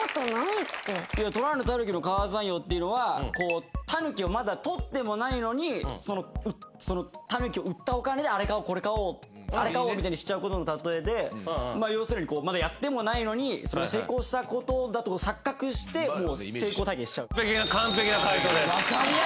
「とらぬ狸の皮算用」っていうのはたぬきをまだ捕ってもないのにたぬきを売ったお金であれ買おうこれ買おうみたいにしちゃうことの例えで要するにまだやってもないのに成功したことだと錯覚して成功体験しちゃう。